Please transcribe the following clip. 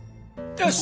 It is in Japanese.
よし！